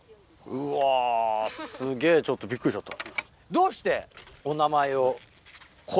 うわすげぇちょっとびっくりしちゃった。